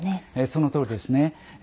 そのとおりです。